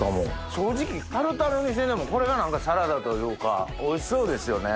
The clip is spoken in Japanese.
正直タルタルにしててもこれがサラダというかおいしそうですよね。